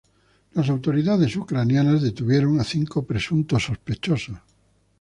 Las autoridades ucranianas detuvieron a cinco presuntos sospechosos.